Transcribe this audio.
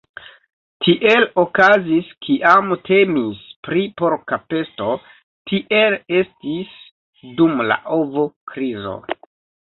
Tiel okazis kiam temis pri porka pesto, tiel estis dum la ovo-krizo.